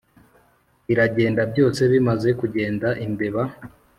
iragenda byose bimaze kugenda imbeba